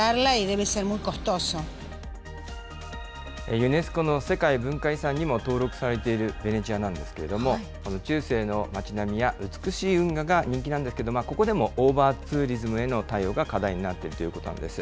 ユネスコの世界文化遺産にも登録されているベネチアなんですけれども、中世の町並みや美しい運河が人気なんですけれども、ここでもオーバーツーリズムへの対応が課題になっているということなんです。